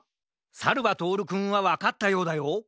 さるばとおるくんはわかったようだよ。